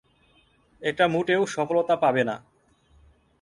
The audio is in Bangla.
এটা মোটেও সফলতা পাবে না।